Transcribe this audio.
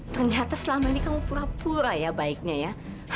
ternyata selama ini kamu pura pura ya baiknya ya